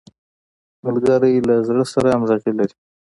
ملګری له زړه سره همږغی وي